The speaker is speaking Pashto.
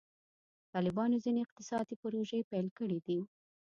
طالبانو ځینې اقتصادي پروژې پیل کړي دي.